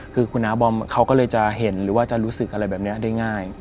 คือคุณน้าบอมเขาก็เลยจะเห็นหรือว่าจะรู้สึกอะไรแบบนี้ได้ง่าย